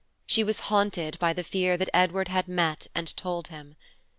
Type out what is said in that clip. She was haunted by the fear that Edward had met and told him.